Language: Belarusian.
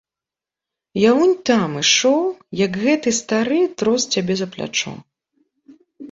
Я унь там ішоў, як гэты стары трос цябе за плячо.